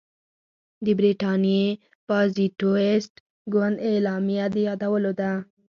د برټانیې پازیټویسټ ګوند اعلامیه د یادولو ده.